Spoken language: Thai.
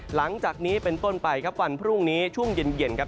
หลังจากนี้เป็นต้นไปครับวันพรุ่งนี้ช่วงเย็นครับ